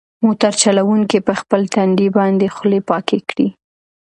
موټر چلونکي په خپل تندي باندې خولې پاکې کړې.